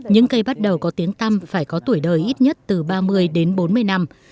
những cây bắt đầu có tiếng tâm phải có tuổi đời ít nhất từ ba mươi đến bốn mươi năm